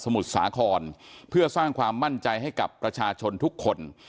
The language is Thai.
มุทรสาครเพื่อสร้างความมั่นใจให้กับประชาชนทุกคน